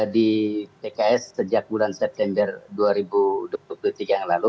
di pks sejak bulan september dua ribu dua puluh tiga yang lalu